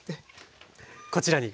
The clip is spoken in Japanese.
こちらに。